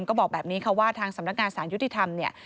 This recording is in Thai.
ก็บอกแบบนี้ค่ะว่าทางสำนักงานสารยุติธรรมเนี่ย